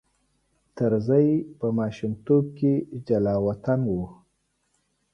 طرزی په ماشومتوب کې جلاوطن و.